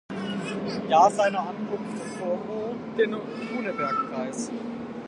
Jahr seiner Ankunft in Porvoo, den Runeberg-Preis.